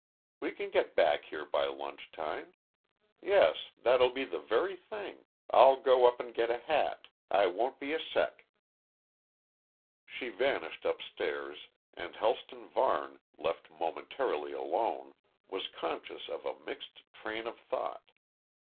We can get back here by lunch time. Yes, that'll be the very thing. I'll go up and get a hat I won't be a sec." She vanished upstairs, and Helston Varne, left momentarily alone, was conscious of a mixed train of thought.